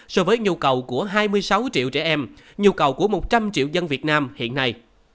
so với nhu cầu của hai mươi sáu triệu trẻ em nhu cầu của một trăm linh triệu dân việt nam hiện nay